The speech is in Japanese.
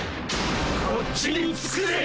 こっちにつくぜ。